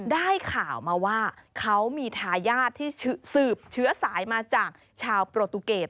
ได้ข่าวมาว่าเขามีทายาทที่สืบเชื้อสายมาจากชาวโปรตูเกต